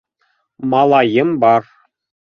Малайым бар.